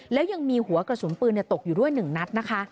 แล้วยังมีหัวกระสุนปืนเนี่ยตกอยู่ด้วยหนึ่งนัดนะคะ